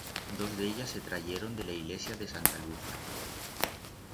Dos d'ellas se trayieron de la ilesia de Santa Lucia.